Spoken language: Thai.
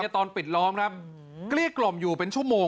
ตอนปิดล้อมครับเกลี้ยกล่อมอยู่เป็นชั่วโมง